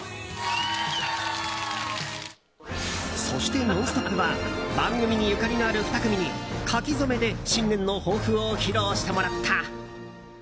そして「ノンストップ！」は番組にゆかりのある２組に書き初めで新年の抱負を披露してもらった。